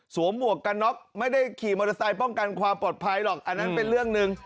หมวกกันน็อกไม่ได้ขี่มอเตอร์ไซค์ป้องกันความปลอดภัยหรอกอันนั้นเป็นเรื่องหนึ่ง